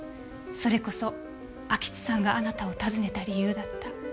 それこそ安芸津さんがあなたを訪ねた理由だった。